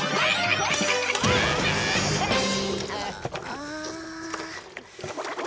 ああ。